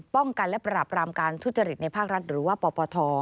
ป้องกันและปราบรามการทุจริตในภาครัฐหรือว่าปปท